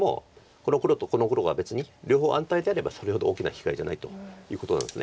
この黒とこの黒が別に両方安泰であればそれほど大きな被害じゃないということなんです。